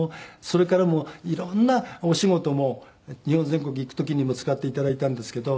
それからも色んなお仕事も日本全国行く時にも使って頂いたんですけど。